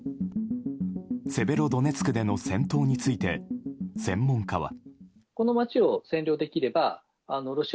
セベロドネツクでの戦闘について専門家は。